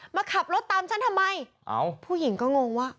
มาขับรถตามฉันทำไมผู้หญิงก็งงว่า